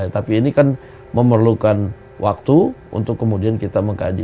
tapi ini kan memerlukan waktu untuk kemudian kita mengkaji